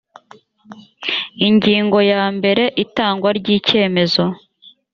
ingingo yambere itangwa ry icyemezo